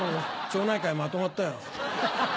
町内会まとまったよ。